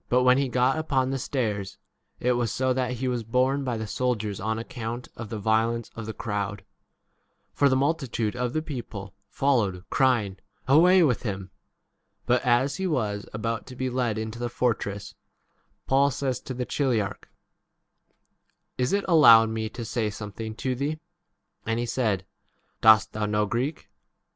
But when he got upon the stairs it was so that he was borne by the soldiers on account of the violence 36 of the crowd. For the multitude of the people followed, crying, 3 7 Away with him. But as he was about to be led into the fortress, Paul says to the chiliarch, Is it allowed me to say something to thee ? And he said, Dost thou 33 know Greek